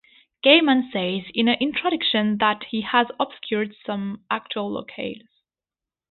Gaiman says in an introduction that he has obscured some actual locales.